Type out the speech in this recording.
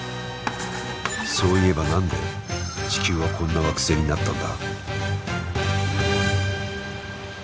そういえば何で地球はこんな惑星になったんだ？